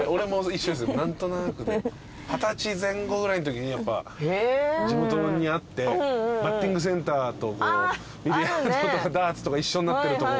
二十歳前後ぐらいのときにやっぱ地元にあってバッティングセンターとビリヤードとかダーツとか一緒になってるとこ。